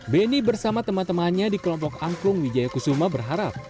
beni bersama teman temannya di kelompok angklung wijaya kusuma berharap